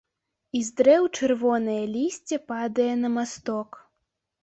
І з дрэў чырвонае лісце падае на масток.